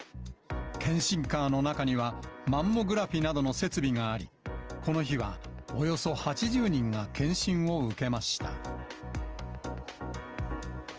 検診カーの中には、マンモグラフィなどの設備があり、この日は、およそ８０人が検診を受けました。